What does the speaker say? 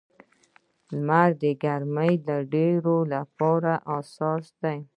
لمر د ګرمۍ ډېرولو لپاره اساس دی.